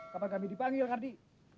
kapan kami dipanggil kardi